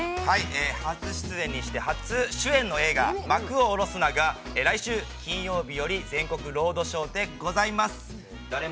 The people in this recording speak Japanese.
初出演にして初主演の映画「まくをおろすな！」が来週金曜日より全国ロードショーです。